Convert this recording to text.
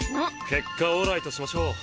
結果オーライとしましょう。